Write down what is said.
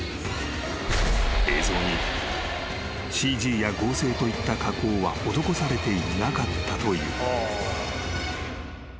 ［映像にＣＧや合成といった加工は施されていなかったという］